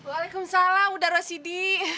waalaikumsalam uda rosidi